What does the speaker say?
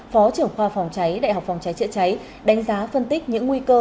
phó trưởng khoa phòng cháy đại học phòng cháy chữa cháy đánh giá phân tích những nguy cơ